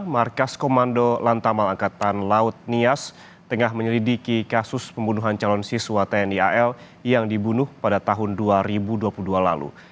markas komando lantamal angkatan laut nias tengah menyelidiki kasus pembunuhan calon siswa tni al yang dibunuh pada tahun dua ribu dua puluh dua lalu